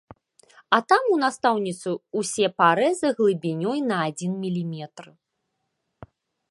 А там, у настаўніцы ўсе парэзы глыбінёй на адзін міліметр.